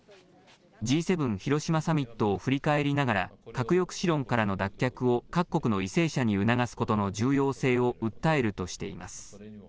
Ｇ７広島サミットを振り返りながら、核抑止論からの脱却を各国の為政者に促すことの重要性を訴えるとしています。